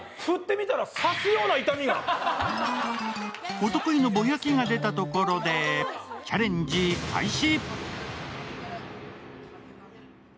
お得意のぼやきが出たところでチャレンジ開始。